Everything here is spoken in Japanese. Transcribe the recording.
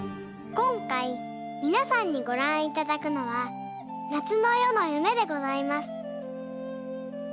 こんかいみなさんにごらんいただくのは「夏の夜の夢」でございます。